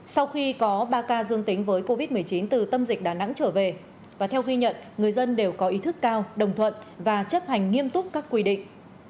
sau khi có ba ca dương tính với covid một mươi chín từ tâm dịch đà nẵng trở về và theo ghi nhận người dân đều có ý thức cao đồng thuận và chấp hành nghiêm túc các quy định